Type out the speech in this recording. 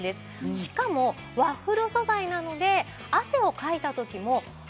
しかもワッフル素材なので汗をかいた時もベタベタしません。